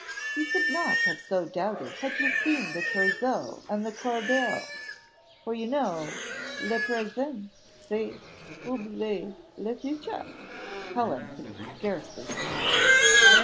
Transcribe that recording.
"You could not have so doubted had you seen the trousseau and the corbeille, for you know, 'Le présent fait oublier le futur.'" Helen could scarcely smile.